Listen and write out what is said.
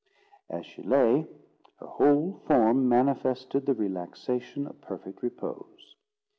As she lay, her whole form manifested the relaxation of perfect repose.